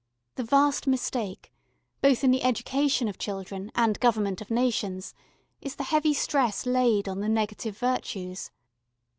The vast mistake, both in the education of children and government of nations, is the heavy stress laid on the negative virtues.